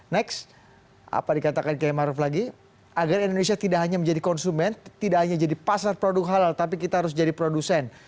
next apa dikatakan kiai maruf lagi agar indonesia tidak hanya menjadi konsumen tidak hanya jadi pasar produk halal tapi kita harus jadi produsen